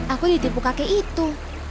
aku ditipu kakek itu